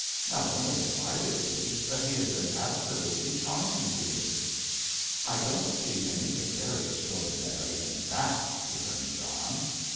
"Not only invited me, but he has been absolutely charming to me." "I don't see anything very extraordinary in that," returned John.